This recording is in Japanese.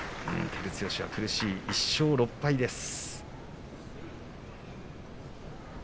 照強は苦しい場所、１勝６敗です。